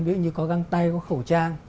ví dụ như có găng tay có khẩu trang